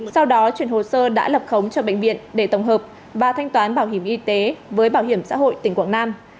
sau đó chuyển hồ sơ đã lập khống cho bệnh viện để tổng hợp và thanh toán bảo hiểm y tế với bảo hiểm xã hội tỉnh quảng nam